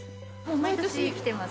毎年来てます。